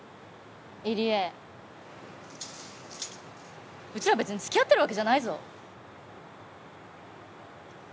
入江うちら別につきあってるわけじゃないぞ。